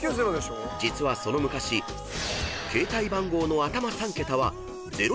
［実はその昔携帯番号の頭３桁は］